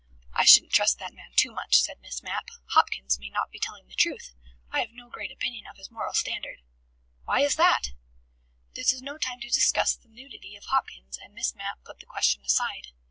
"I shouldn't trust that man too much," said Miss Mapp. "Hopkins may not be telling the truth. I have no great opinion of his moral standard." "Why is that?" This was no time to discuss the nudity of Hopkins and Miss Mapp put the question aside.